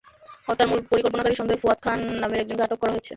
হত্যার মূল পরিকল্পনাকারী সন্দেহে ফুয়াদ খান নামের একজনকে আটক করা হয়েছে।